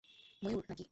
ময়ূর, না-কি?